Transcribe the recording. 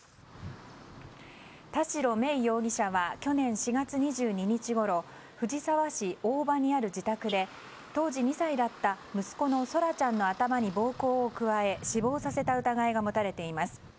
田代芽衣容疑者は去年４月２２日ごろ藤沢市大庭にある自宅で当時２歳だった、息子の空来ちゃんの頭に暴行を加え死亡させた疑いが持たれています。